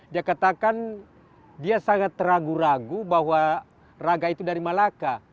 dia katakan dia sangat ragu ragu bahwa raga itu dari malaka